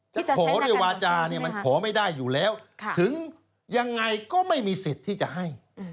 จะขอด้วยวาจาเนี่ยมันขอไม่ได้อยู่แล้วถึงยังไงก็ไม่มีสิทธิ์ที่จะให้